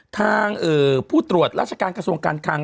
ทางผู้ตรวจราชการกระทรวงการคัง